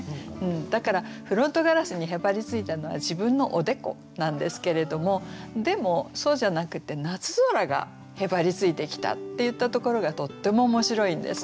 だからフロントガラスにへばりついたのは自分のおでこなんですけれどもでもそうじゃなくて夏空がへばりついてきたって言ったところがとっても面白いんです。